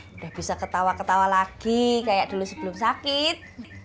sudah bisa ketawa ketawa lagi kayak dulu sebelum sakit